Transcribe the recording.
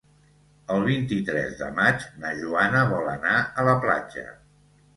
El vint-i-tres de maig na Joana vol anar a la platja.